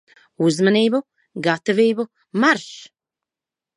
Uzmanību, gatavību, marš!